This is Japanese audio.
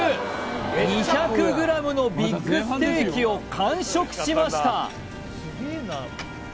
２００ｇのビッグステーキを完食しました